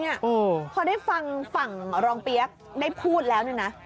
พอได้ฟังฝั่งรองเปี๊ยกได้พูดแล้วเนี่ยนะ